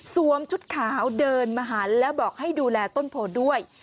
ชุดขาวเดินมาหันแล้วบอกให้ดูแลต้นโพด้วย